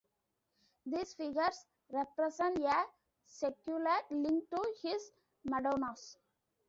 These figures represent a secular link to his "Madonnas".